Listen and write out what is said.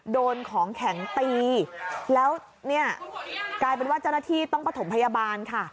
โดนของแข็งตีแล้วเนี่ยกลายเป็นว่าเจ้าหน้าที่ต้องประถมพยาบาลค่ะ